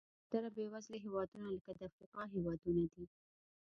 زیاتره بېوزله هېوادونه لکه د افریقا هېوادونه دي.